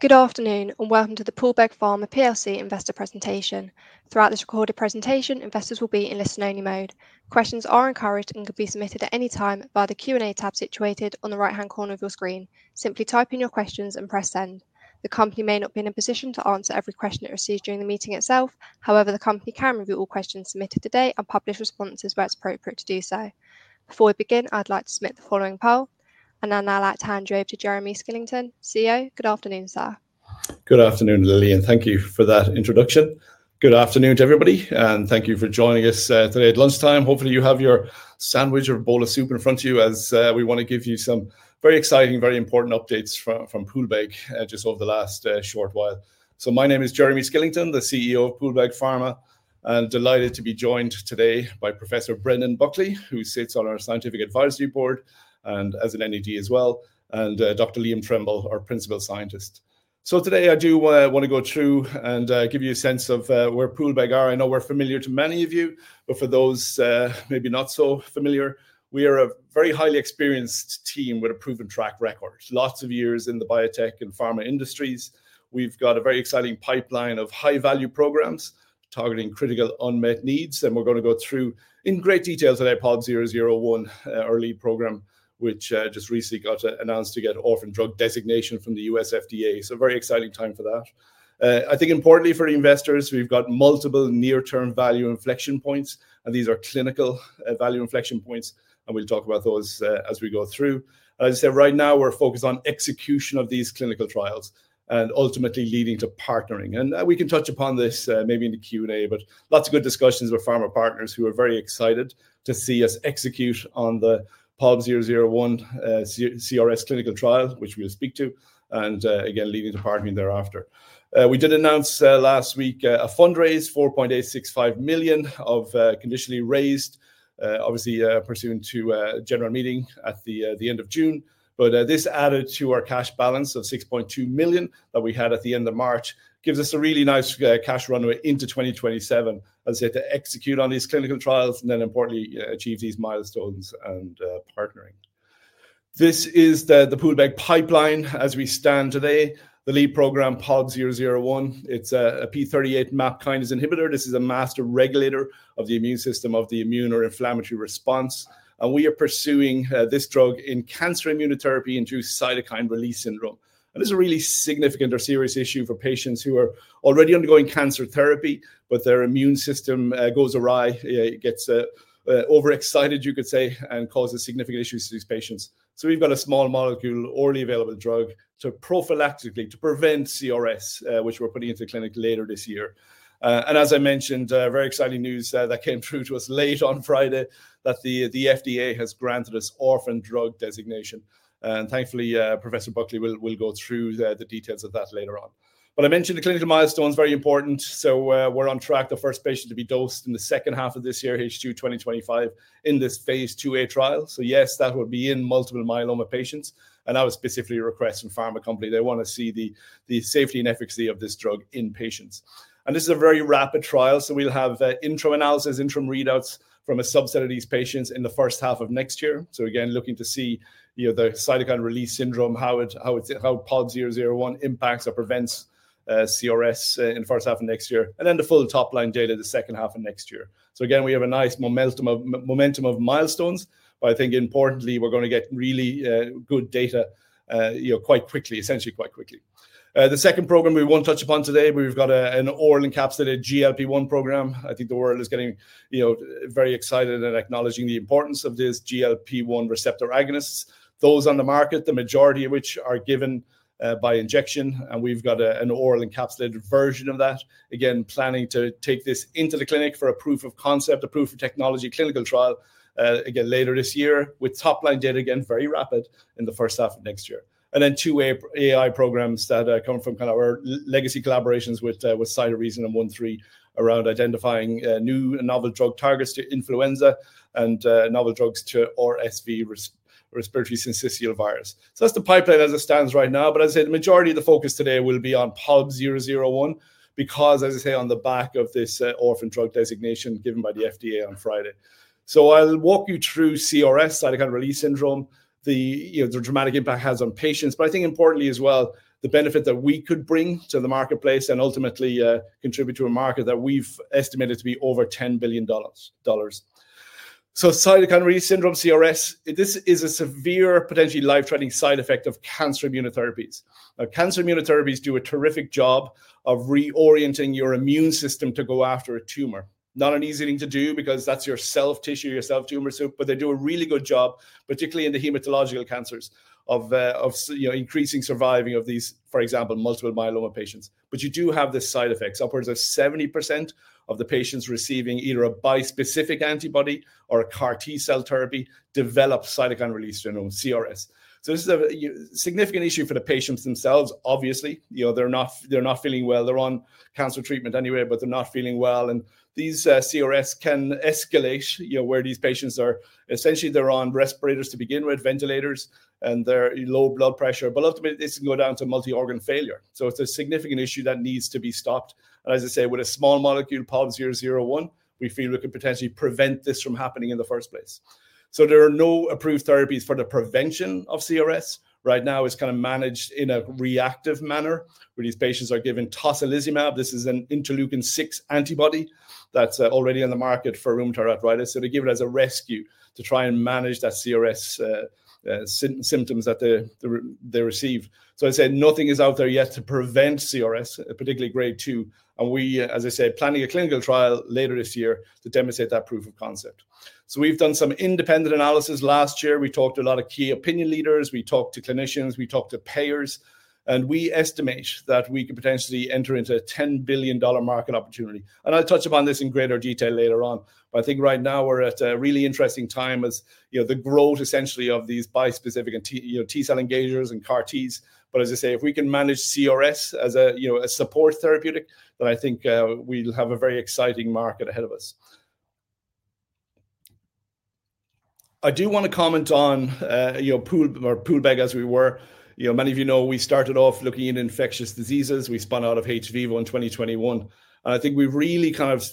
Good afternoon, and welcome to the Poolbeg Pharma PRC investor presentation. Throughout this recorded presentation, investors will be in listen-only mode. Questions are encouraged and can be submitted at any time via the Q&A tab situated on the right-hand corner of your screen. Simply type in your questions and press send. The company may not be in a position to answer every question it receives during the meeting itself. However, the company can review all questions submitted today and publish responses where it is appropriate to do so. Before we begin, I'd like to submit the following poll, and I'll now like to hand you over to Jeremy Skillington, CEO. Good afternoon, sir. Good afternoon, Lily, and thank you for that introduction. Good afternoon to everybody, and thank you for joining us today at lunchtime. Hopefully, you have your sandwich or bowl of soup in front of you, as we want to give you some very exciting, very important updates from Poolbeg just over the last short while. My name is Jeremy Skillington, the CEO of Poolbeg Pharma, and delighted to be joined today by Professor Brendan Buckley, who sits on our Scientific Advisory Board and as an NED as well, and Dr. Liam Tremble, our principal scientist. Today, I do want to go through and give you a sense of where Poolbeg are. I know we are familiar to many of you, but for those maybe not so familiar, we are a very highly experienced team with a proven track record, lots of years in the biotech and pharma industries. We've got a very exciting pipeline of high-value programs targeting critical unmet needs, and we're going to go through in great detail today POLB001, our lead program, which just recently got announced to get orphan drug designation from the U.S. FDA. Very exciting time for that. I think importantly for investors, we've got multiple near-term value inflection points, and these are clinical value inflection points, and we'll talk about those as we go through. As I said, right now we're focused on execution of these clinical trials and ultimately leading to partnering. We can touch upon this maybe in the Q&A, but lots of good discussions with pharma partners who are very excited to see us execute on the POLB001 CRS clinical trial, which we'll speak to, and again, leading to partnering thereafter. We did announce last week a fundraise, 4.865 million of conditionally raised, obviously pursuant to a general meeting at the end of June, but this added to our cash balance of 6.2 million that we had at the end of March, gives us a really nice cash runway into 2027 as we have to execute on these clinical trials and then importantly achieve these milestones and partnering. This is the Poolbeg pipeline as we stand today, the lead program POLB001. It's a p38 MAPK inhibitor. This is a master regulator of the immune system, of the immune or inflammatory response, and we are pursuing this drug in cancer immunotherapy-induced cytokine release syndrome. This is a really significant or serious issue for patients who are already undergoing cancer therapy, but their immune system goes awry, gets overexcited, you could say, and causes significant issues to these patients. We've got a small molecule, orally available drug to prophylactically prevent CRS, which we're putting into clinic later this year. As I mentioned, very exciting news that came through to us late on Friday that the FDA has granted us orphan drug designation, and thankfully, Professor Buckley will go through the details of that later on. I mentioned the clinical milestones are very important, so we're on track, the first patient to be dosed in the second half of this year, H2 2025, in this phase 2A trial. Yes, that will be in multiple myeloma patients, and that was specifically a request from Pharma Company. They want to see the safety and efficacy of this drug in patients. This is a very rapid trial, so we'll have interim analysis, interim readouts from a subset of these patients in the first half of next year. Again, looking to see the cytokine release syndrome, how POLB001 impacts or prevents CRS in the first half of next year, and then the full top-line data the second half of next year. Again, we have a nice momentum of milestones, but I think importantly, we're going to get really good data quite quickly, essentially quite quickly. The second program we won't touch upon today, but we've got an oral encapsulated GLP-1 program. I think the world is getting very excited and acknowledging the importance of these GLP-1 receptor agonists, those on the market, the majority of which are given by injection, and we've got an oral encapsulated version of that. Again, planning to take this into the clinic for a proof of concept, a proof of technology clinical trial, again later this year with top-line data again, very rapid in the first half of next year. Two AI programs come from kind of our legacy collaborations with CytoResin and OneThree around identifying new and novel drug targets to influenza and novel drugs to RSV, respiratory syncytial virus. That is the pipeline as it stands right now, but as I said, the majority of the focus today will be on POLB001 because, as I say, on the back of this orphan drug designation given by the FDA on Friday. I will walk you through CRS, cytokine release syndrome, the dramatic impact it has on patients, but I think importantly as well, the benefit that we could bring to the marketplace and ultimately contribute to a market that we have estimated to be over $10 billion. Cytokine release syndrome, CRS, is a severe, potentially life-threatening side effect of cancer immunotherapies. Now, cancer immunotherapies do a terrific job of reorienting your immune system to go after a tumor. Not an easy thing to do because that's your cell tissue, your cell tumor, but they do a really good job, particularly in the hematological cancers, of increasing surviving of these, for example, multiple myeloma patients. You do have the side effects. Upwards of 70% of the patients receiving either a bispecific antibody or a CAR T-cell therapy develop cytokine release syndrome, CRS. This is a significant issue for the patients themselves, obviously. They're not feeling well. They're on cancer treatment anyway, but they're not feeling well, and these CRS can escalate where these patients are essentially, they're on respirators to begin with, ventilators, and their low blood pressure, but ultimately this can go down to multi-organ failure. It is a significant issue that needs to be stopped. As I say, with a small molecule, POLB001, we feel we can potentially prevent this from happening in the first place. There are no approved therapies for the prevention of CRS. Right now, it's kind of managed in a reactive manner where these patients are given tocilizumab. This is an interleukin-6 antibody that's already on the market for rheumatoid arthritis. They give it as a rescue to try and manage that CRS symptoms that they receive. I said, nothing is out there yet to prevent CRS, particularly grade 2, and we, as I said, planning a clinical trial later this year to demonstrate that proof of concept. We've done some independent analysis last year. We talked to a lot of key opinion leaders, we talked to clinicians, we talked to payers, and we estimate that we could potentially enter into a $10 billion market opportunity. I'll touch upon this in greater detail later on, but I think right now we're at a really interesting time as the growth essentially of these bispecific and T-cell engagers and CAR Ts. As I say, if we can manage CRS as a support therapeutic, then I think we'll have a very exciting market ahead of us. I do want to comment on Poolbeg as we were. Many of you know we started off looking at infectious diseases. We spun out of hVIVO in 2021, and I think we really kind of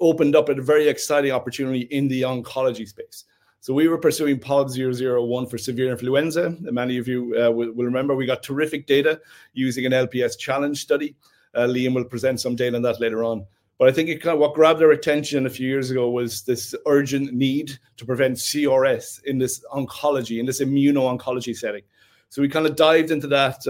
opened up a very exciting opportunity in the oncology space. We were pursuing POLB001 for severe influenza. Many of you will remember we got terrific data using an LPS challenge study. Liam will present some data on that later on. I think what grabbed our attention a few years ago was this urgent need to prevent CRS in this oncology, in this immuno-oncology setting. We kind of dived into that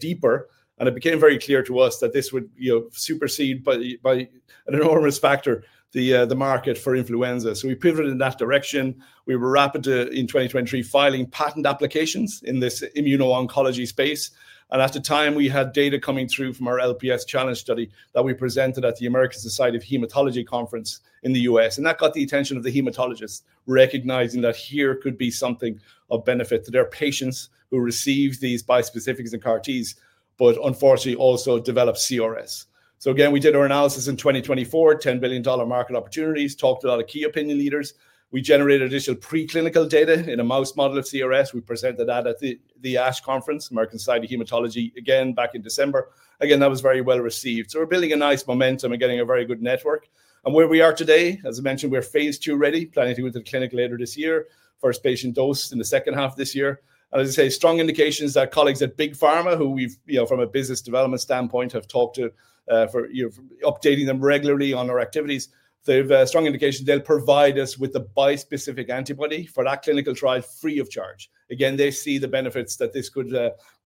deeper, and it became very clear to us that this would supersede by an enormous factor the market for influenza. We pivoted in that direction. We were rapid in 2023 filing patent applications in this immuno-oncology space, and at the time we had data coming through from our LPS challenge study that we presented at the American Society of Hematology Conference in the U.S., and that got the attention of the hematologists, recognizing that here could be something of benefit to their patients who receive these bispecifics and CAR Ts, but unfortunately also develop CRS. Again, we did our analysis in 2024, $10 billion market opportunities, talked to a lot of key opinion leaders. We generated additional preclinical data in a mouse model of CRS. We presented that at the ASH conference, American Society of Hematology, again back in December. That was very well received. We are building a nice momentum and getting a very good network. Where we are today, as I mentioned, we are phase 2 ready, planning to go to the clinic later this year, first patient dose in the second half of this year. As I say, strong indications that colleagues at Big Pharma, who we from a business development standpoint have talked to, updating them regularly on our activities, they have strong indications they will provide us with the bispecific antibody for that clinical trial free of charge. They see the benefits that this could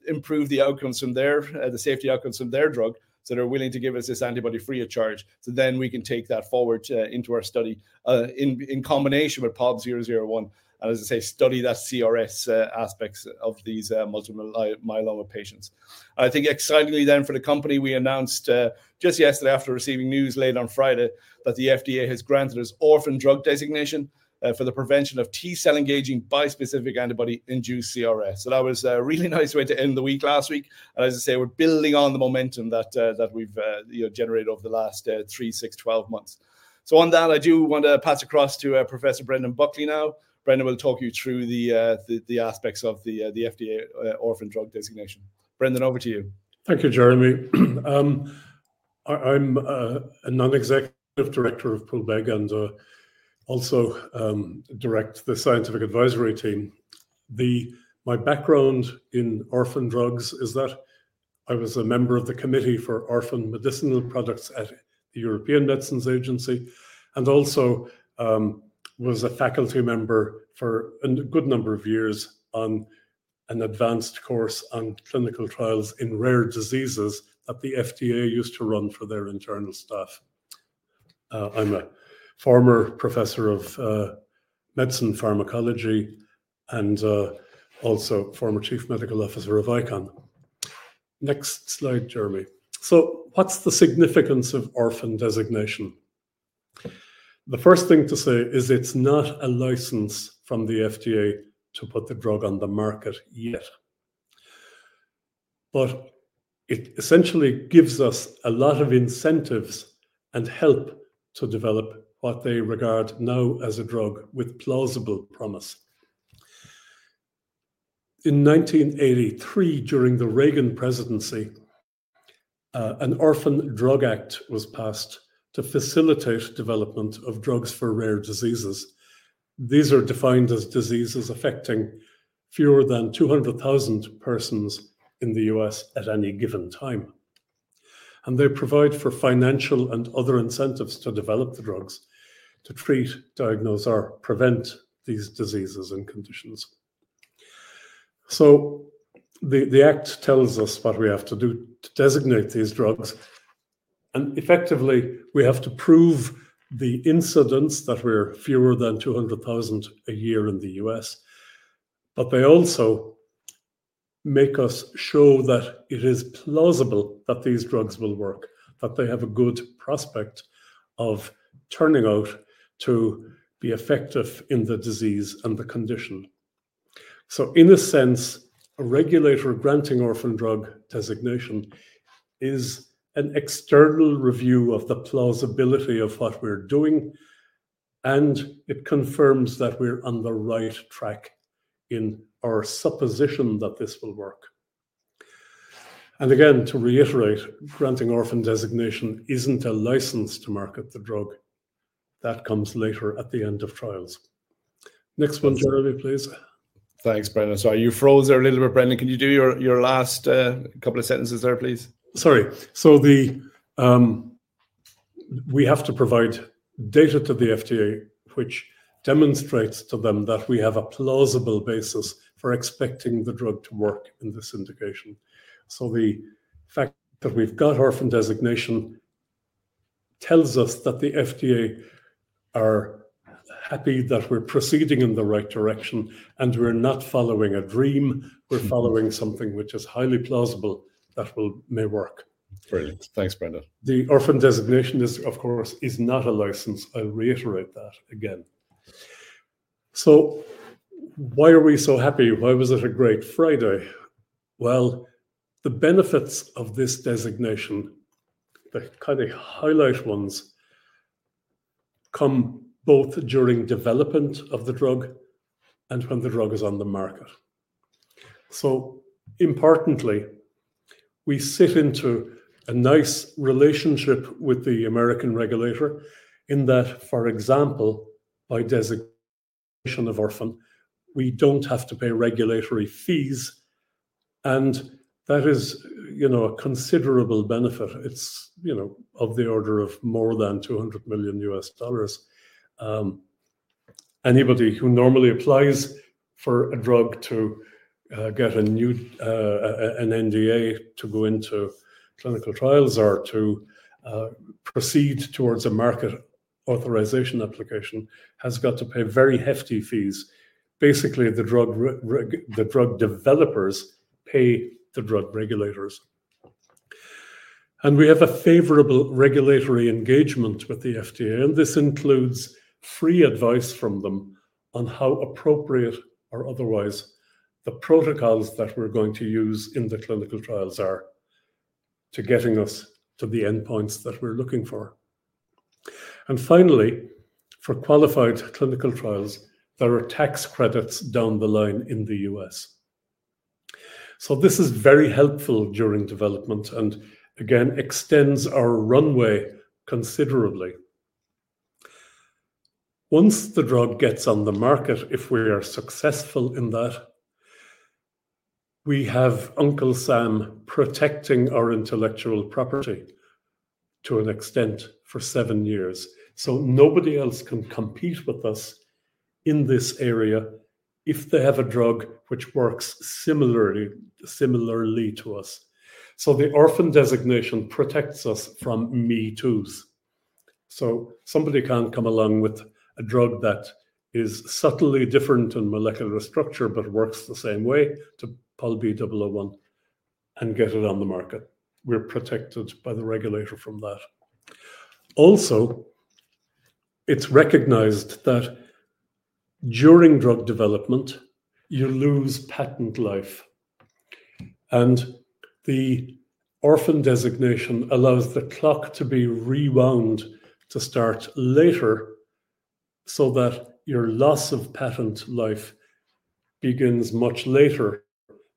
improve the outcomes from there, the safety outcomes from their drug, so they are willing to give us this antibody free of charge. So then we can take that forward into our study in combination with POLB001, and as I say, study that CRS aspects of these multiple myeloma patients. I think excitingly then for the company, we announced just yesterday after receiving news late on Friday that the FDA has granted us orphan drug designation for the prevention of T-cell engaging bispecific antibody-induced CRS. That was a really nice way to end the week last week, and as I say, we're building on the momentum that we've generated over the last three, six, 12 months. On that, I do want to pass across to Professor Brendan Buckley now. Brendan will talk you through the aspects of the FDA orphan drug designation. Brendan, over to you. Thank you, Jeremy. I'm a Non-Executive Director of Poolbeg and also direct the Scientific Advisory team. My background in orphan drugs is that I was a member of the Committee for Orphan Medicinal Products at the European Medicines Agency and also was a faculty member for a good number of years on an advanced course on clinical trials in rare diseases that the FDA used to run for their internal staff. I'm a former Professor of Medicine Pharmacology and also former Chief Medical Officer of ICON. Next slide, Jeremy. What's the significance of orphan designation? The first thing to say is it's not a license from the FDA to put the drug on the market yet, but it essentially gives us a lot of incentives and help to develop what they regard now as a drug with plausible promise. In 1983, during the Reagan presidency, an Orphan Drug Act was passed to facilitate development of drugs for rare diseases. These are defined as diseases affecting fewer than 200,000 persons in the U.S. at any given time, and they provide for financial and other incentives to develop the drugs to treat, diagnose, or prevent these diseases and conditions. The act tells us what we have to do to designate these drugs, and effectively we have to prove the incidence that we're fewer than 200,000 a year in the U.S., but they also make us show that it is plausible that these drugs will work, that they have a good prospect of turning out to be effective in the disease and the condition. In a sense, a regulator granting orphan drug designation is an external review of the plausibility of what we're doing, and it confirms that we're on the right track in our supposition that this will work. Again, to reiterate, granting orphan designation is not a license to market the drug. That comes later at the end of trials. Next one, Jeremy, please. Thanks, Brendan. You froze there a little bit, Brendan. Can you do your last couple of sentences there, please? Sorry. We have to provide data to the FDA, which demonstrates to them that we have a plausible basis for expecting the drug to work in this indication. The fact that we've got orphan designation tells us that the FDA are happy that we're proceeding in the right direction and we're not following a dream. We're following something which is highly plausible that may work. Brilliant. Thanks, Brendan. The orphan designation, of course, is not a license. I'll reiterate that again. Why are we so happy? Why was it a great Friday? The benefits of this designation, the kind of highlight ones, come both during development of the drug and when the drug is on the market. Importantly, we sit into a nice relationship with the American regulator in that, for example, by designation of orphan, we do not have to pay regulatory fees, and that is a considerable benefit. It is of the order of more than $200 million U.S. dollars. Anybody who normally applies for a drug to get an NDA to go into clinical trials or to proceed towards a market authorization application has got to pay very hefty fees. Basically, the drug developers pay the drug regulators, and we have a favorable regulatory engagement with the FDA, and this includes free advice from them on how appropriate or otherwise the protocols that we're going to use in the clinical trials are to getting us to the endpoints that we're looking for. Finally, for qualified clinical trials, there are tax credits down the line in the U.S.. This is very helpful during development and again extends our runway considerably. Once the drug gets on the market, if we are successful in that, we have Uncle Sam protecting our intellectual property to an extent for seven years, so nobody else can compete with us in this area if they have a drug which works similarly to us. The orphan designation protects us from Metoos. Somebody can come along with a drug that is subtly different in molecular structure but works the same way to POLB001 and get it on the market. We're protected by the regulator from that. Also, it's recognized that during drug development, you lose patent life, and the orphan designation allows the clock to be rewound to start later so that your loss of patent life begins much later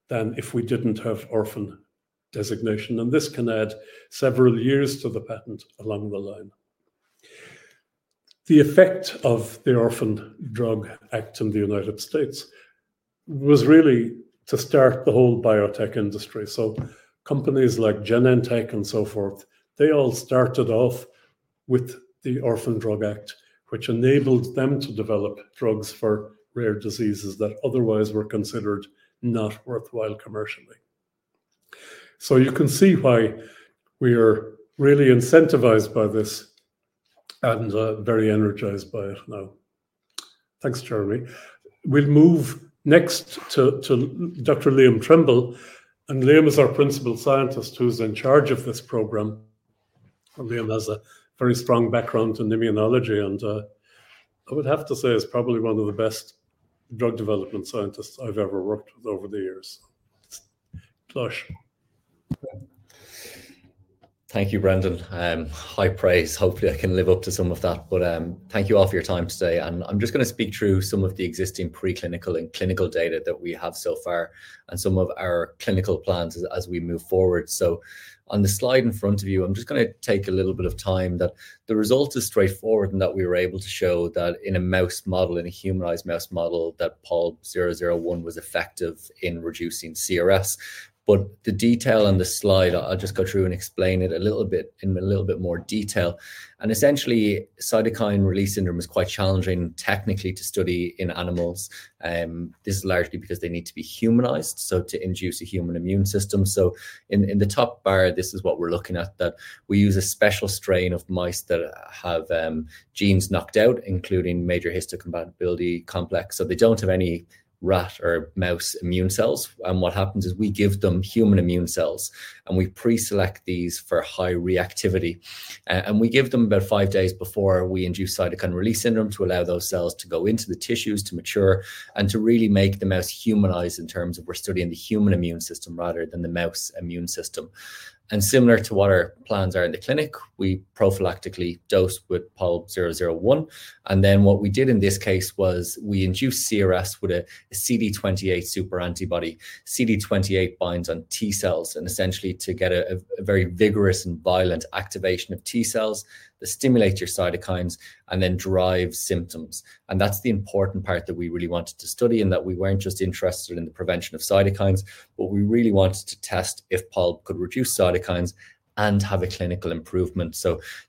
than if we didn't have orphan designation, and this can add several years to the patent along the line. The effect of the Orphan Drug Act in the United States was really to start the whole biotech industry. Companies like Genentech and so forth, they all started off with the Orphan Drug Act, which enabled them to develop drugs for rare diseases that otherwise were considered not worthwhile commercially. You can see why we are really incentivized by this and very energized by it now. Thanks, Jeremy. We'll move next to Dr. Liam Tremble, and Liam is our Principal Scientist who's in charge of this program. Liam has a very strong background in immunology, and I would have to say he's probably one of the best drug development scientists I've ever worked with over the years. Thank you, Brendan. High praise. Hopefully, I can live up to some of that, but thank you all for your time today. I'm just going to speak through some of the existing preclinical and clinical data that we have so far and some of our clinical plans as we move forward. On the slide in front of you, I'm just going to take a little bit of time that the result is straightforward in that we were able to show that in a mouse model, in a humanized mouse model, that POLB001 was effective in reducing CRS. The detail on the slide, I'll just go through and explain it a little bit in a little bit more detail. Essentially, cytokine release syndrome is quite challenging technically to study in animals. This is largely because they need to be humanized, so to induce a human immune system. In the top bar, this is what we're looking at, that we use a special strain of mice that have genes knocked out, including major histocompatibility complex, so they do not have any rat or mouse immune cells. What happens is we give them human immune cells, and we pre-select these for high reactivity. We give them about five days before we induce cytokine release syndrome to allow those cells to go into the tissues to mature and to really make the mouse humanized in terms of we're studying the human immune system rather than the mouse immune system. Similar to what our plans are in the clinic, we prophylactically dose with POLB001. What we did in this case was we induced CRS with a CD28 super antibody. CD28 binds on T-cells and essentially to get a very vigorous and violent activation of T-cells that stimulate your cytokines and then drive symptoms. That is the important part that we really wanted to study and that we were not just interested in the prevention of cytokines, but we really wanted to test if POL could reduce cytokines and have a clinical improvement.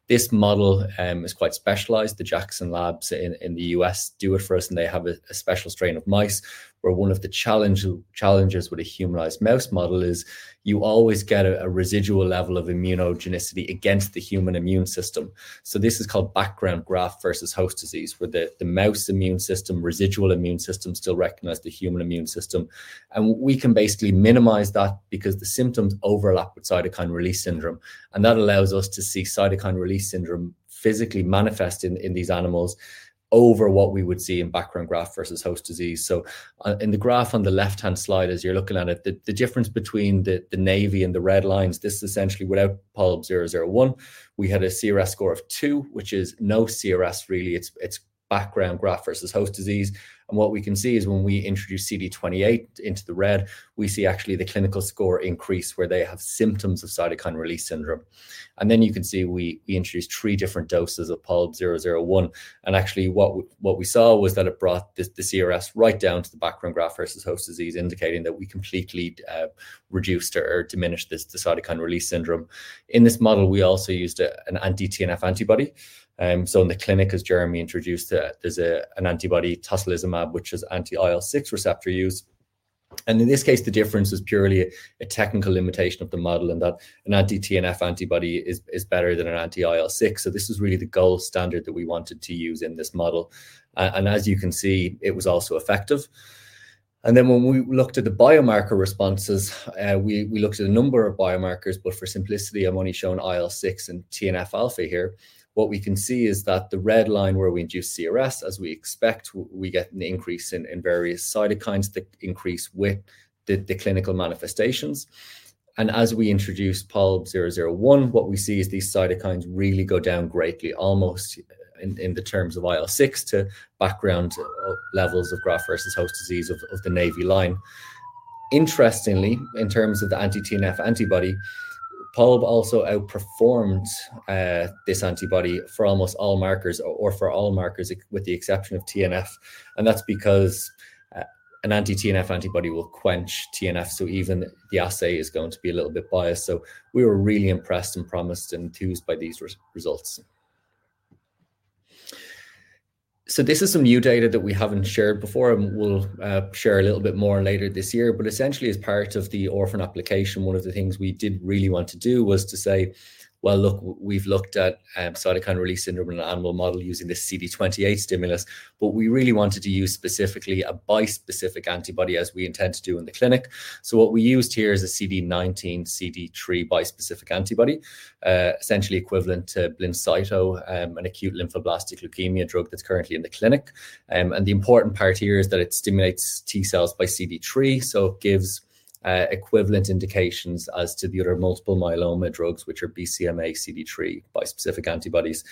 This model is quite specialized. The Jackson Labs in the U.S. does it for us, and they have a special strain of mice where one of the challenges with a humanized mouse model is you always get a residual level of immunogenicity against the human immune system. This is called background graft-versus-host disease where the mouse immune system, residual immune system, still recognizes the human immune system. We can basically minimize that because the symptoms overlap with cytokine release syndrome, and that allows us to see cytokine release syndrome physically manifest in these animals over what we would see in background graft-versus-host disease. In the graph on the left-hand slide, as you're looking at it, the difference between the navy and the red lines, this is essentially without POLB001. We had a CRS score of 2, which is no CRS really. It's background graft-versus-host disease. What we can see is when we introduce CD28 into the red, we see actually the clinical score increase where they have symptoms of cytokine release syndrome. You can see we introduced three different doses of POLB001, and actually what we saw was that it brought the CRS right down to the background graft-versus-host disease, indicating that we completely reduced or diminished the cytokine release syndrome. In this model, we also used an anti-TNF antibody. In the clinic, as Jeremy introduced, there is an antibody, Tocilizumab, which has anti-IL-6 receptor use. In this case, the difference was purely a technical limitation of the model in that an anti-TNF antibody is better than an anti-IL-6. This was really the gold standard that we wanted to use in this model. As you can see, it was also effective. When we looked at the biomarker responses, we looked at a number of biomarkers, but for simplicity, I have only shown IL-6 and TNF alpha here. What we can see is that the red line where we induce CRS, as we expect, we get an increase in various cytokines that increase with the clinical manifestations. As we introduce POLB001, what we see is these cytokines really go down greatly, almost in the terms of IL-6 to background levels of graft-versus-host disease of the navy line. Interestingly, in terms of the anti-TNF antibody, POLB also outperformed this antibody for almost all markers or for all markers with the exception of TNF, and that's because an anti-TNF antibody will quench TNF, so even the assay is going to be a little bit biased. We were really impressed and promised and enthused by these results. This is some new data that we haven't shared before and we'll share a little bit more later this year, but essentially as part of the orphan application, one of the things we did really want to do was to say, well, look, we've looked at cytokine release syndrome in an animal model using this CD28 stimulus, but we really wanted to use specifically a bispecific antibody as we intend to do in the clinic. What we used here is a CD19, CD3 bispecific antibody, essentially equivalent to Blincyto, an acute lymphoblastic leukemia drug that's currently in the clinic. The important part here is that it stimulates T-cells by CD3, so it gives equivalent indications as to the other multiple myeloma drugs, which are BCMA, CD3 bispecific antibodies.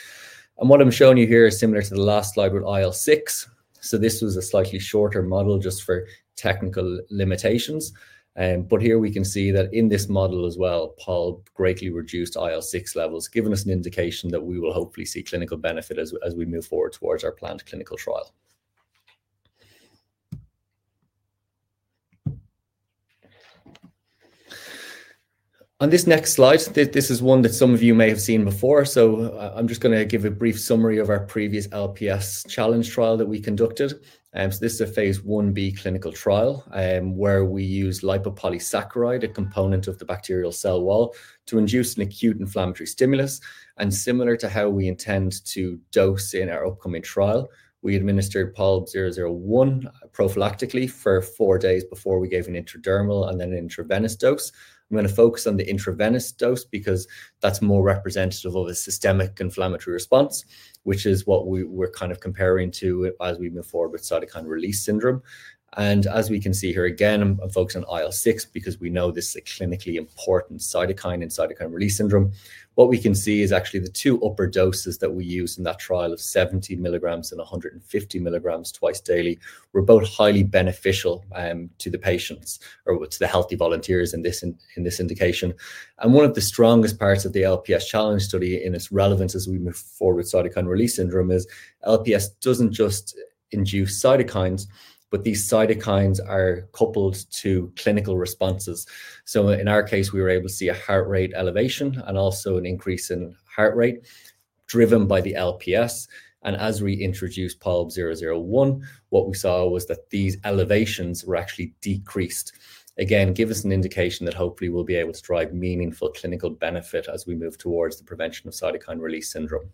What I'm showing you here is similar to the last slide with IL-6. This was a slightly shorter model just for technical limitations, but here we can see that in this model as well, POLB greatly reduced IL-6 levels, giving us an indication that we will hopefully see clinical benefit as we move forward towards our planned clinical trial. On this next slide, this is one that some of you may have seen before, so I'm just going to give a brief summary of our previous LPS challenge trial that we conducted. This is a phase 1B clinical trial where we use lipopolysaccharide, a component of the bacterial cell wall, to induce an acute inflammatory stimulus. Similar to how we intend to dose in our upcoming trial, we administered POLB001 prophylactically for four days before we gave an intradermal and then an intravenous dose. I'm going to focus on the intravenous dose because that's more representative of a systemic inflammatory response, which is what we're kind of comparing to as we move forward with cytokine release syndrome. As we can see here, again, I'm focusing on IL-6 because we know this is a clinically important cytokine in cytokine release syndrome. What we can see is actually the two upper doses that we used in that trial of 70 mg and 150 mg twice daily were both highly beneficial to the patients or to the healthy volunteers in this indication. One of the strongest parts of the LPS challenge study in its relevance as we move forward with cytokine release syndrome is LPS doesn't just induce cytokines, but these cytokines are coupled to clinical responses. In our case, we were able to see a heart rate elevation and also an increase in heart rate driven by the LPS. As we introduced POLB001, what we saw was that these elevations were actually decreased. Again, give us an indication that hopefully we'll be able to drive meaningful clinical benefit as we move towards the prevention of cytokine release syndrome.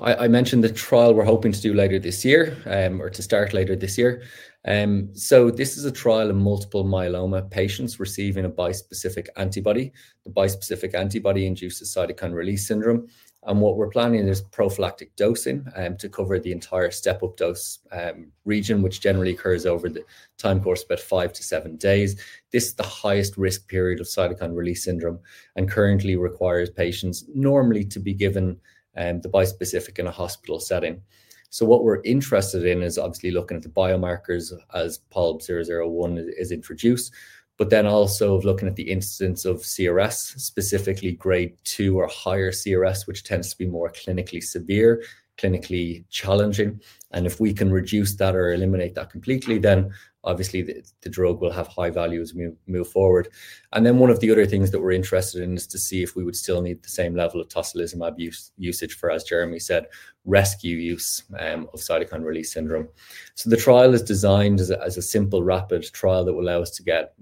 I mentioned the trial we're hoping to do later this year or to start later this year. This is a trial in multiple myeloma patients receiving a bispecific antibody. The bispecific antibody induces cytokine release syndrome, and what we're planning is prophylactic dosing to cover the entire step-up dose region, which generally occurs over the time course of about five to seven days. This is the highest risk period of cytokine release syndrome and currently requires patients normally to be given the bispecific in a hospital setting. What we're interested in is obviously looking at the biomarkers as POLB001 is introduced, but then also looking at the incidence of CRS, specifically grade 2 or higher CRS, which tends to be more clinically severe, clinically challenging. If we can reduce that or eliminate that completely, then obviously the drug will have high value as we move forward. One of the other things that we're interested in is to see if we would still need the same level of Tocilizumab usage for, as Jeremy said, rescue use of cytokine release syndrome. The trial is designed as a simple, rapid trial that will allow us to get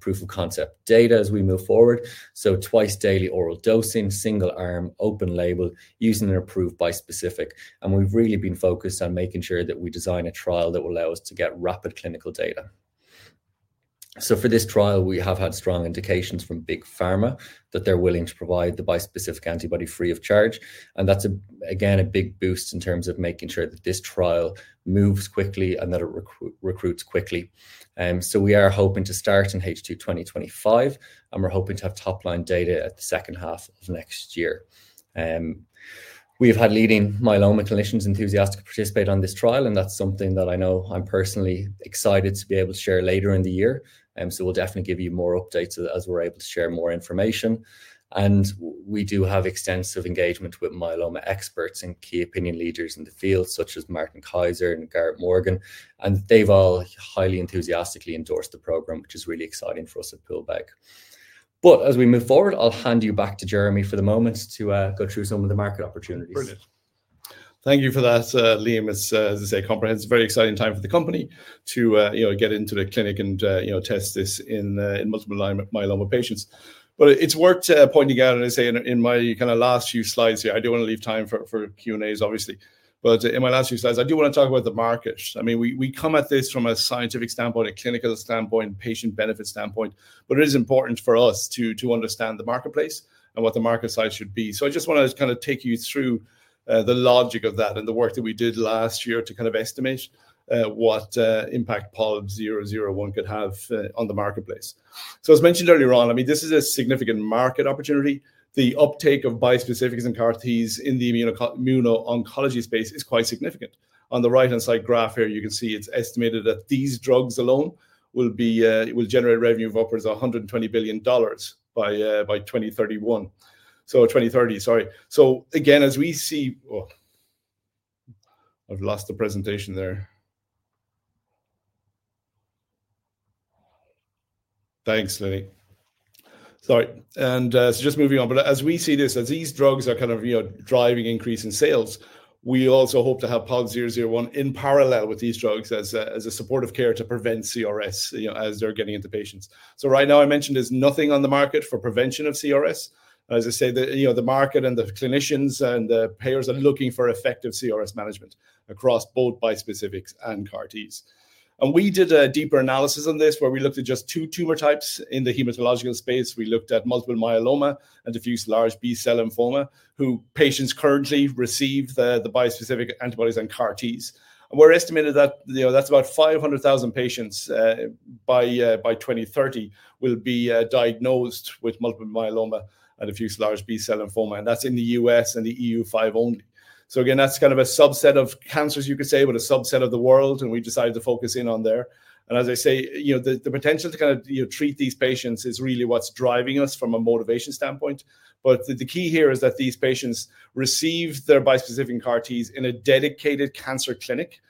proof of concept data as we move forward. Twice daily oral dosing, single arm, open label, using an approved bispecific. We have really been focused on making sure that we design a trial that will allow us to get rapid clinical data. For this trial, we have had strong indications from Big Pharma that they are willing to provide the bispecific antibody free of charge. That is, again, a big boost in terms of making sure that this trial moves quickly and that it recruits quickly. We are hoping to start in H2 2025, and we are hoping to have top-line data at the second half of next year. We have had leading myeloma clinicians enthusiastically participate on this trial, and that is something that I know I am personally excited to be able to share later in the year. We will definitely give you more updates as we are able to share more information. We do have extensive engagement with myeloma experts and key opinion leaders in the field, such as Martin Kaiser and Gareth Morgan. They have all highly enthusiastically endorsed the program, which is really exciting for us at Poolbeg. As we move forward, I'll hand you back to Jeremy for the moment to go through some of the market opportunities. Brilliant. Thank you for that, Liam. It's, as I say, comprehensive, very exciting time for the company to get into the clinic and test this in multiple myeloma patients. But it's worth pointing out, as I say, in my kind of last few slides here, I don't want to leave time for Q&As, obviously. But in my last few slides, I do want to talk about the market. I mean, we come at this from a scientific standpoint, a clinical standpoint, patient benefit standpoint, but it is important for us to understand the marketplace and what the market size should be. I just want to kind of take you through the logic of that and the work that we did last year to kind of estimate what impact POLB001 could have on the marketplace. As mentioned earlier on, I mean, this is a significant market opportunity. The uptake of bispecifics and CAR Ts in the immuno-oncology space is quite significant. On the right-hand side graph here, you can see it's estimated that these drugs alone will generate revenue of upwards of $120 billion by 2030. Sorry. Again, as we see, I've lost the presentation there. Thanks, Lily. Sorry. Just moving on. As we see this, as these drugs are kind of driving increase in sales, we also hope to have POLB001 in parallel with these drugs as a supportive care to prevent CRS as they're getting into patients. Right now, I mentioned there's nothing on the market for prevention of CRS. As I say, the market and the clinicians and the payers are looking for effective CRS management across both bispecifics and CAR Ts. We did a deeper analysis on this where we looked at just two tumor types in the hematological space. We looked at multiple myeloma and diffuse large B-cell lymphoma who patients currently receive the bispecific antibodies and CAR Ts. We are estimating that about 500,000 patients by 2030 will be diagnosed with multiple myeloma and diffuse large B-cell lymphoma. That is in the U.S. and the EU5 only. Again, that is kind of a subset of cancers, you could say, but a subset of the world, and we decided to focus in on there. As I say, the potential to kind of treat these patients is really what is driving us from a motivation standpoint. The key here is that these patients receive their bispecific and CAR Ts in a dedicated cancer clinic.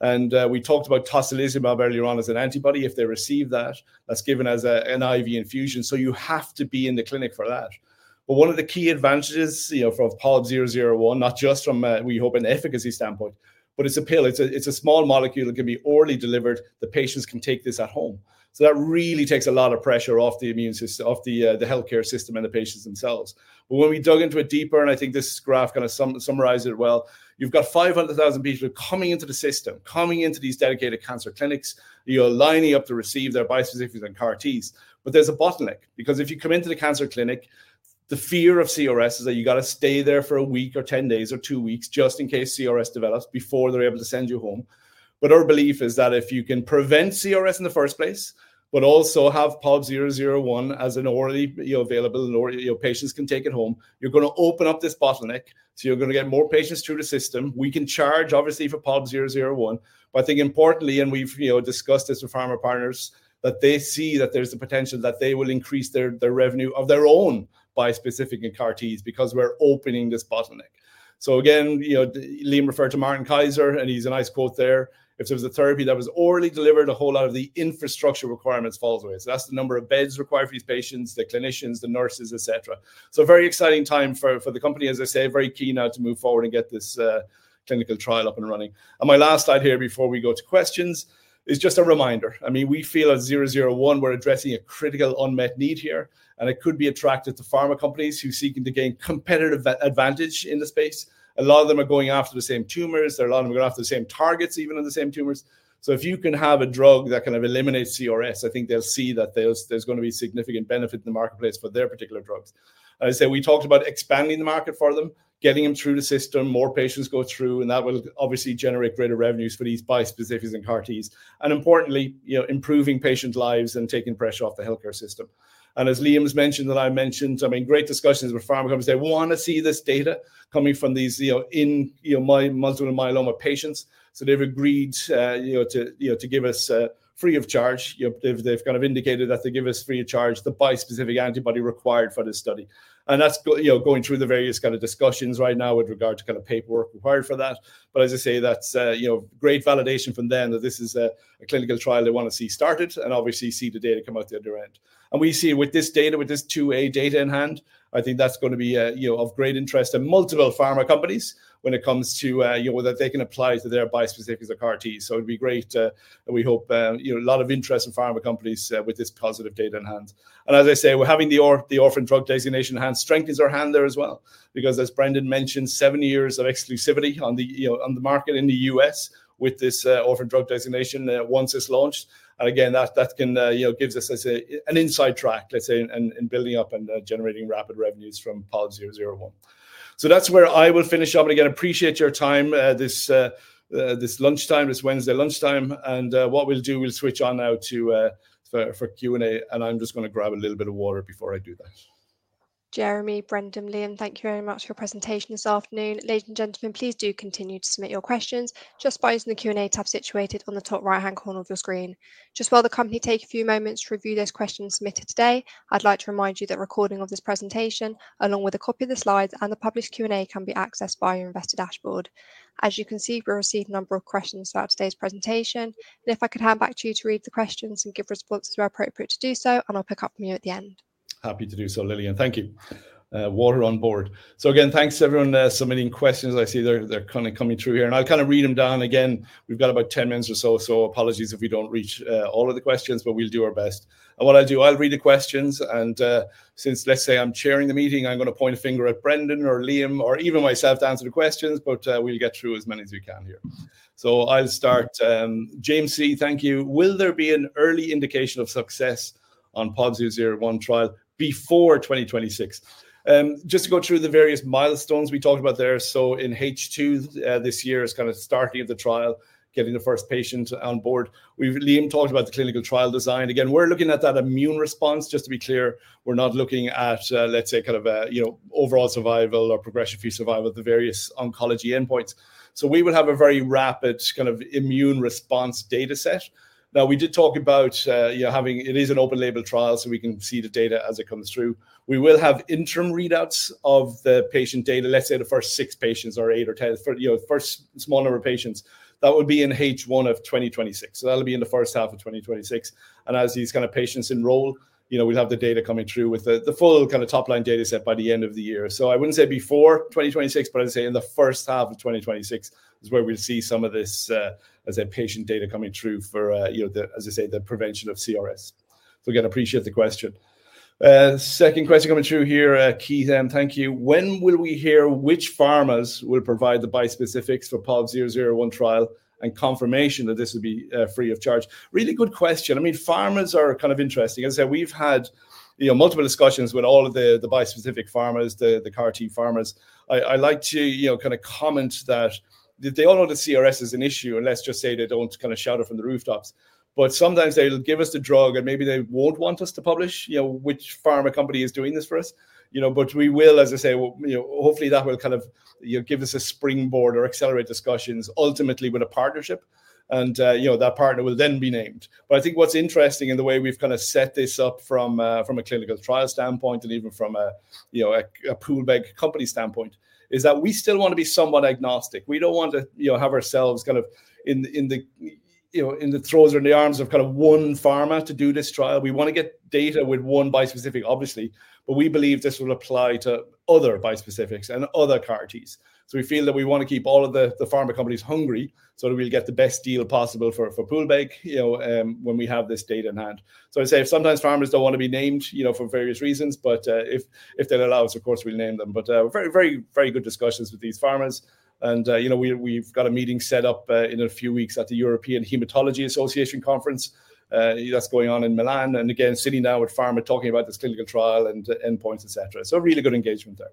We talked about Tocilizumab earlier on as an antibody. If they receive that, that's given as an IV infusion. You have to be in the clinic for that. One of the key advantages of POLB001, not just from, we hope, an efficacy standpoint, but it's a pill. It's a small molecule that can be orally delivered. The patients can take this at home. That really takes a lot of pressure off the healthcare system and the patients themselves. When we dug into it deeper, and I think this graph kind of summarized it well, you've got 500,000 people coming into the system, coming into these dedicated cancer clinics, lining up to receive their bispecifics and CAR Ts. There is a bottleneck because if you come into the cancer clinic, the fear of CRS is that you have to stay there for a week or 10 days or two weeks just in case CRS develops before they are able to send you home. Our belief is that if you can prevent CRS in the first place, but also have POLB001 as an orally available, or patients can take it home, you are going to open up this bottleneck. You are going to get more patients through the system. We can charge, obviously, for POLB001, but I think importantly, and we have discussed this with pharma partners, that they see that there is the potential that they will increase their revenue of their own bispecific and CAR Ts because we are opening this bottleneck. Liam referred to Martin Kaiser, and he has a nice quote there. If there was a therapy that was orally delivered, a whole lot of the infrastructure requirements falls away. That is the number of beds required for these patients, the clinicians, the nurses, etc. Very exciting time for the company, as I say, very keen now to move forward and get this clinical trial up and running. My last slide here before we go to questions is just a reminder. I mean, we feel at 001, we are addressing a critical unmet need here, and it could be attractive to pharma companies who are seeking to gain competitive advantage in the space. A lot of them are going after the same tumors. There are a lot of them going after the same targets, even on the same tumors. If you can have a drug that kind of eliminates CRS, I think they'll see that there's going to be significant benefit in the marketplace for their particular drugs. As I say, we talked about expanding the market for them, getting them through the system, more patients go through, and that will obviously generate greater revenues for these bispecifics and CAR Ts. Importantly, improving patients' lives and taking pressure off the healthcare system. As Liam's mentioned and I mentioned, I mean, great discussions with pharma companies. They want to see this data coming from these multiple myeloma patients. They've agreed to give us free of charge. They've kind of indicated that they give us free of charge the bispecific antibody required for this study. That's going through the various kind of discussions right now with regard to paperwork required for that. As I say, that's great validation from them that this is a clinical trial they want to see started and obviously see the data come out the other end. We see with this data, with this 2A data in hand, I think that's going to be of great interest to multiple pharma companies when it comes to whether they can apply to their bispecifics or CAR Ts. It'd be great. We hope a lot of interest in pharma companies with this positive data in hand. As I say, having the orphan drug designation in hand strengthens our hand there as well because, as Brendan mentioned, seven years of exclusivity on the market in the U.S. with this orphan drug designation once it's launched. Again, that gives us an inside track, let's say, in building up and generating rapid revenues from POLB001. That's where I will finish up. Again, appreciate your time this Wednesday lunchtime. What we'll do, we'll switch on now for Q&A. I'm just going to grab a little bit of water before I do that. Jeremy, Brendan, Liam, thank you very much for your presentation this afternoon. Ladies and gentlemen, please do continue to submit your questions just by using the Q&A tab situated on the top right-hand corner of your screen. Just while the company takes a few moments to review those questions submitted today, I'd like to remind you that recording of this presentation, along with a copy of the slides and the published Q&A, can be accessed by your investor dashboard. As you can see, we've received a number of questions throughout today's presentation. If I could hand back to you to read the questions and give responses where appropriate to do so, I'll pick up from you at the end. Happy to do so, Lily. And thank you. Water on board. Again, thanks to everyone submitting questions. I see they're kind of coming through here. I'll kind of read them down again. We've got about 10 minutes or so, so apologies if we don't reach all of the questions, but we'll do our best. What I'll do, I'll read the questions. Since, let's say, I'm chairing the meeting, I'm going to point a finger at Brendan or Liam or even myself to answer the questions, but we'll get through as many as we can here. I'll start. James C, thank you. Will there be an early indication of success on POLB001 trial before 2026? Just to go through the various milestones we talked about there. In H2 this year is kind of starting of the trial, getting the first patient on board. Liam talked about the clinical trial design. Again, we're looking at that immune response. Just to be clear, we're not looking at, let's say, kind of overall survival or progression-free survival at the various oncology endpoints. We will have a very rapid kind of immune response data set. Now, we did talk about having it is an open-label trial, so we can see the data as it comes through. We will have interim readouts of the patient data, let's say the first six patients or eight or ten, first small number of patients. That would be in H1 of 2026. That will be in the first half of 2026. As these kind of patients enroll, we'll have the data coming through with the full kind of top-line data set by the end of the year. I would not say before 2026, but I would say in the first half of 2026 is where we will see some of this, as I say, patient data coming through for, as I say, the prevention of CRS. Again, appreciate the question. Second question coming through here. Keith M, thank you. When will we hear which pharmas will provide the bispecifics for POLB001 trial and confirmation that this would be free of charge? Really good question. I mean, pharmas are kind of interesting. As I say, we have had multiple discussions with all of the bispecific pharmas, the CAR T pharmas. I like to kind of comment that they do not know that CRS is an issue unless, just say, they do not kind of shout it from the rooftops. Sometimes they will give us the drug, and maybe they will not want us to publish which pharma company is doing this for us. We will, as I say, hopefully that will kind of give us a springboard or accelerate discussions ultimately with a partnership. That partner will then be named. I think what's interesting in the way we've kind of set this up from a clinical trial standpoint and even from a Poolbeg company standpoint is that we still want to be somewhat agnostic. We don't want to have ourselves kind of in the throes or in the arms of kind of one pharma to do this trial. We want to get data with one bispecific, obviously, but we believe this will apply to other bispecifics and other CAR Ts. We feel that we want to keep all of the pharma companies hungry so that we'll get the best deal possible for Poolbeg when we have this data in hand. I say sometimes pharmas do not want to be named for various reasons, but if they allow us, of course, we will name them. Very, very good discussions with these pharmas. We have a meeting set up in a few weeks at the European Hematology Association Conference that is going on in Milan. Again, sitting down with pharma talking about this clinical trial and endpoints, etc. Really good engagement there.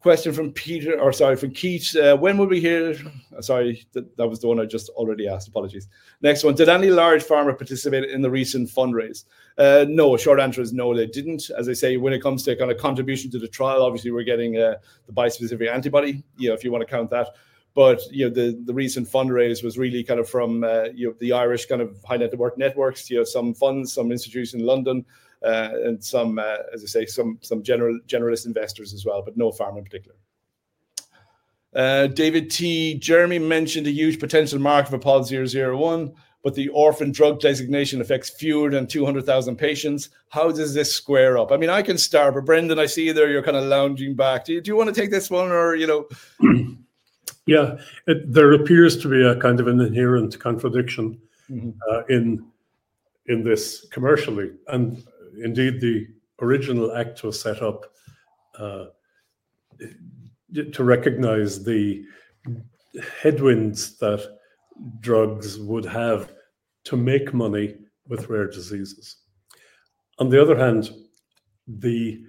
Question from Peter, or sorry, from Keith. When will we hear? Sorry, that was the one I just already asked. Apologies. Next one. Did any large pharma participate in the recent fundraise? No. Short answer is no, they did not. As I say, when it comes to kind of contribution to the trial, obviously, we are getting the bispecific antibody if you want to count that. The recent fundraise was really kind of from the Irish kind of high net worth networks, some funds, some institutions in London, and some, as I say, some generalist investors as well, but no pharma in particular. David T, Jeremy mentioned a huge potential market for POLB001, but the orphan drug designation affects fewer than 200,000 patients. How does this square up? I mean, I can start, but Brendan, I see there you're kind of lounging back. Do you want to take this one or? Yeah. There appears to be a kind of an inherent contradiction in this commercially. Indeed, the original act was set up to recognize the headwinds that drugs would have to make money with rare diseases. On the other hand, the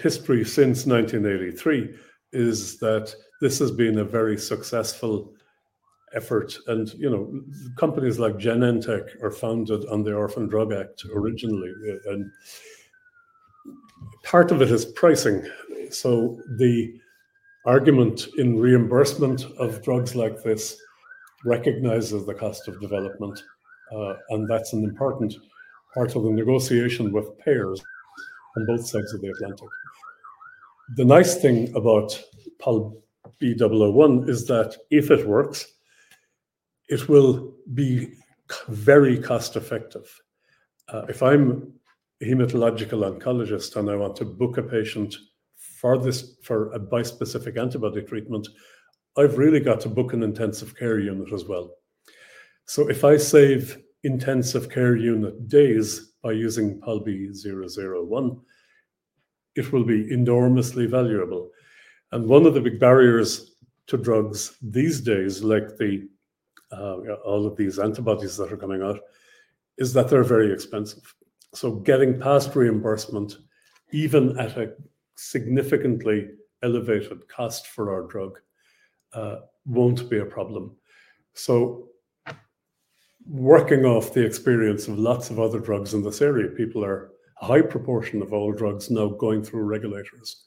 history since 1983 is that this has been a very successful effort. Companies like Genentech are founded on the Orphan Drug Act originally. Part of it is pricing. The argument in reimbursement of drugs like this recognizes the cost of development. That is an important part of the negotiation with payers on both sides of the Atlantic. The nice thing about POLB001 is that if it works, it will be very cost-effective. If I'm a hematological oncologist and I want to book a patient for a bispecific antibody treatment, I've really got to book an intensive care unit as well. If I save intensive care unit days by using POLB001, it will be enormously valuable. One of the big barriers to drugs these days, like all of these antibodies that are coming out, is that they're very expensive. Getting past reimbursement, even at a significantly elevated cost for our drug, will not be a problem. Working off the experience of lots of other drugs in this area, people are a high proportion of all drugs now going through regulators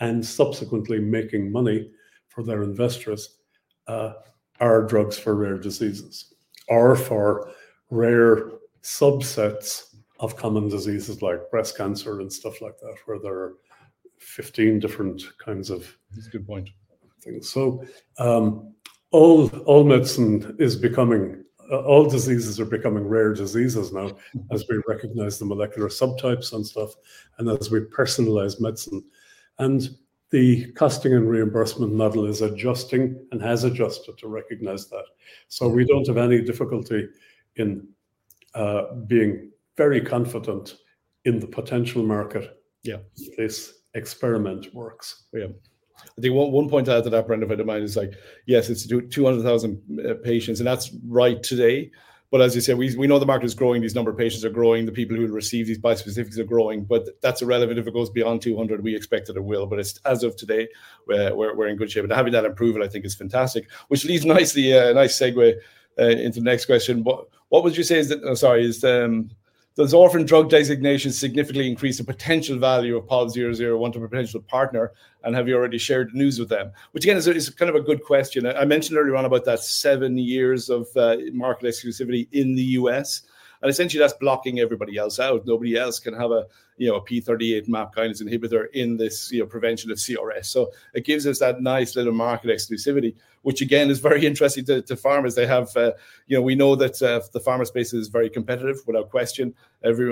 and subsequently making money for their investors are drugs for rare diseases or for rare subsets of common diseases like breast cancer and stuff like that, where there are 15 different kinds of. That's a good point. All medicine is becoming, all diseases are becoming rare diseases now as we recognize the molecular subtypes and stuff and as we personalize medicine. The costing and reimbursement model is adjusting and has adjusted to recognize that. We do not have any difficulty in being very confident in the potential market if this experiment works. Yeah. I think one point I had to wrap around in my mind is like, yes, it's 200,000 patients, and that's right today. As you say, we know the market is growing. These number of patients are growing. The people who receive these bispecifics are growing. That's irrelevant if it goes beyond 200. We expect that it will. As of today, we're in good shape. Having that improvement, I think, is fantastic, which leads nicely, a nice segue into the next question. What would you say is that, sorry, does orphan drug designation significantly increase the potential value of POLB001 to potential partner? Have you already shared news with them? Which, again, is kind of a good question. I mentioned earlier on about that seven years of market exclusivity in the U.S. essentially, that's blocking everybody else out. Nobody else can have a p38 MAPK inhibitor in this prevention of CRS. It gives us that nice little market exclusivity, which, again, is very interesting to pharmas. We know that the pharma space is very competitive, without question.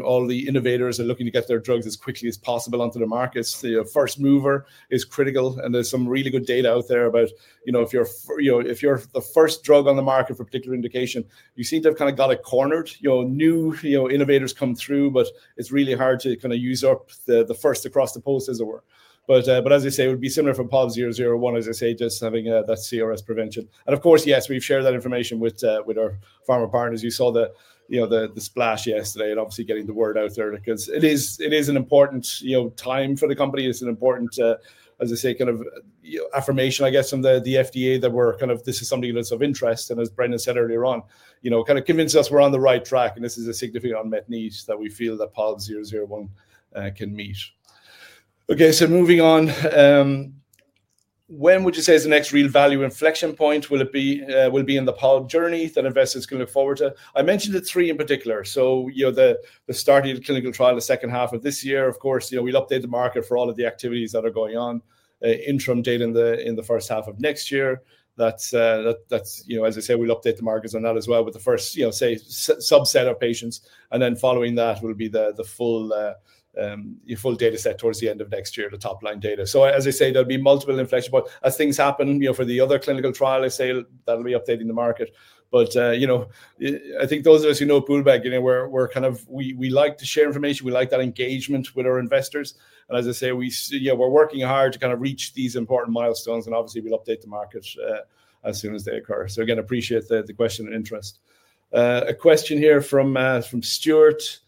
All the innovators are looking to get their drugs as quickly as possible onto the market. First mover is critical. There is some really good data out there about if you're the first drug on the market for a particular indication, you seem to have kind of got it cornered. New innovators come through, but it's really hard to kind of usurp the first across the post, as it were. As I say, it would be similar for POLB001, as I say, just having that CRS prevention. Of course, yes, we've shared that information with our pharma partners. You saw the splash yesterday and obviously getting the word out there because it is an important time for the company. It's an important, as I say, kind of affirmation, I guess, from the FDA that we're kind of this is something that's of interest. And as Brendan said earlier on, kind of convinced us we're on the right track. This is a significant unmet need that we feel that POLB001 can meet. Okay, moving on. When would you say is the next real value inflection point will be in the POLB journey that investors can look forward to? I mentioned the three in particular. The start of the clinical trial, the second half of this year, of course, we'll update the market for all of the activities that are going on, interim data in the first half of next year. As I say, we'll update the markets on that as well with the first, say, subset of patients. Then following that will be the full data set towards the end of next year, the top-line data. As I say, there'll be multiple inflection points. As things happen for the other clinical trial, I say that'll be updating the market. I think those of us who know Poolbeg, we're kind of we like to share information. We like that engagement with our investors. As I say, we're working hard to kind of reach these important milestones. Obviously, we'll update the markets as soon as they occur. Again, appreciate the question and interest. A question here from Stuart.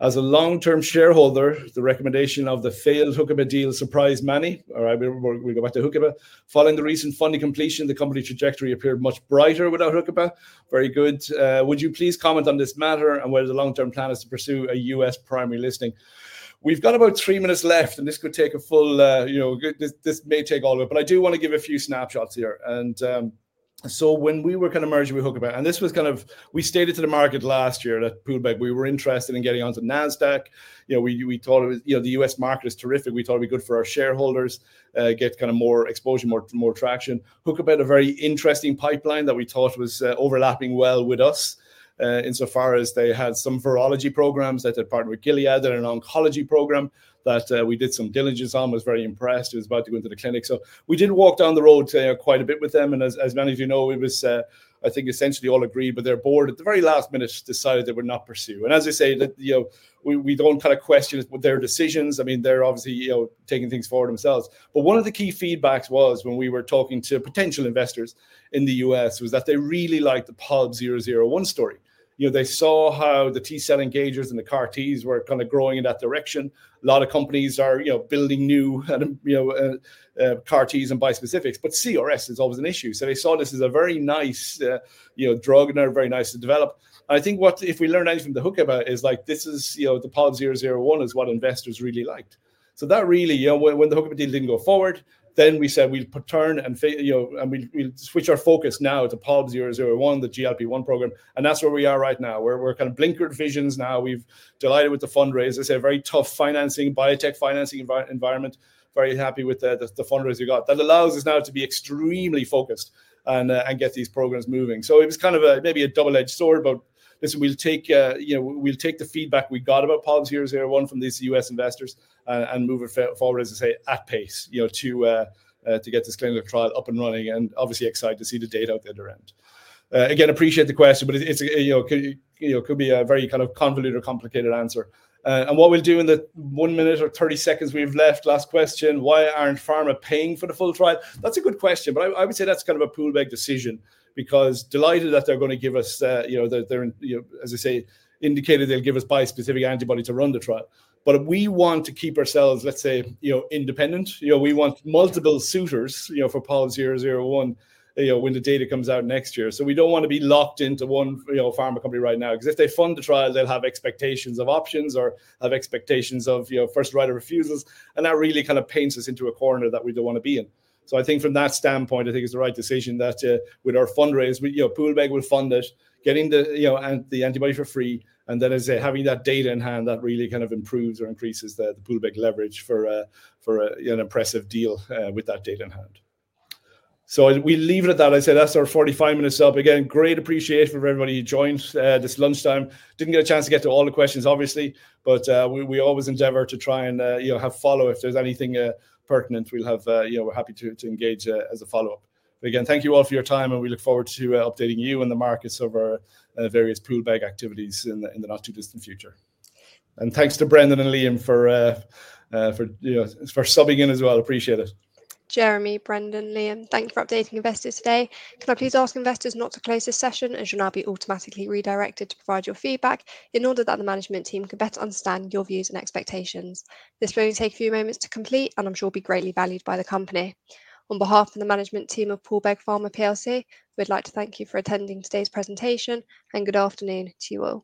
As a long-term shareholder, the recommendation of the failed Huckabee deal surprised many. All right, we'll go back to Huckabee. Following the recent funding completion, the company trajectory appeared much brighter without Huckabee. Very good. Would you please comment on this matter and whether the long-term plan is to pursue a U.S. primary listing? We've got about three minutes left, and this could take a full this may take all of it. I do want to give a few snapshots here. When we were kind of merging with Huckabee, and this was kind of we stated to the market last year that Poolbeg, we were interested in getting onto NASDAQ. We thought the U.S. market is terrific. We thought it would be good for our shareholders, get kind of more exposure, more traction. Huckabee had a very interesting pipeline that we thought was overlapping well with us insofar as they had some virology programs that they partnered with Gilead in an oncology program that we did some diligence on. I was very impressed. It was about to go into the clinic. We did walk down the road quite a bit with them. As many of you know, it was, I think, essentially all agreed, but their board at the very last minute decided they would not pursue. As I say, we do not kind of question their decisions. I mean, they are obviously taking things forward themselves. One of the key feedbacks was when we were talking to potential investors in the U.S. was that they really liked the POLB001 story. They saw how the T-cell engagers and the CAR Ts were kind of growing in that direction. A lot of companies are building new CAR Ts and bispecifics. CRS is always an issue. They saw this as a very nice drug and very nice to develop. I think if we learn anything from the Huckabee, it is like this is the POLB001 is what investors really liked. That really, when the Huckabee deal did not go forward, we said we will turn and we will switch our focus now to POLB001, the GLP-1 program. That is where we are right now. We are kind of blinkered visions now. We have delighted with the fundraise. It is a very tough financing, biotech financing environment. Very happy with the fundraiser we got. That allows us now to be extremely focused and get these programs moving. It was kind of maybe a double-edged sword, but listen, we'll take the feedback we got about POLB001 from these U.S. investors and move it forward, as I say, at pace to get this clinical trial up and running and obviously excited to see the data at the end. Again, appreciate the question, but it could be a very kind of convoluted or complicated answer. What we'll do in the one minute or 30 seconds we have left, last question, why aren't pharma paying for the full trial? That's a good question, but I would say that's kind of a Poolbeg decision because delighted that they're going to give us, as I say, indicated they'll give us bispecific antibody to run the trial. We want to keep ourselves, let's say, independent. We want multiple suitors for POLB001 when the data comes out next year. We do not want to be locked into one pharma company right now because if they fund the trial, they will have expectations of options or have expectations of first-rider refusals. That really kind of paints us into a corner that we do not want to be in. I think from that standpoint, it is the right decision that with our fundraise, Poolbeg will fund it, getting the antibody for free. Then, as I say, having that data in hand, that really kind of improves or increases the Poolbeg leverage for an impressive deal with that data in hand. We will leave it at that. I say that is our 45 minutes up. Again, great appreciation for everybody who joined this lunchtime. Did not get a chance to get to all the questions, obviously, but we always endeavor to try and have follow-up. If there's anything pertinent, we're happy to engage as a follow-up. Again, thank you all for your time, and we look forward to updating you and the markets over various Poolbeg activities in the not too distant future. Thanks to Brendan and Liam for subbing in as well. Appreciate it. Jeremy, Brendan, Liam, thank you for updating investors today. Can I please ask investors not to close this session as you'll now be automatically redirected to provide your feedback in order that the management team can better understand your views and expectations? This will only take a few moments to complete, and I'm sure will be greatly valued by the company. On behalf of the management team of Poolbeg Pharma, we'd like to thank you for attending today's presentation, and good afternoon to you all.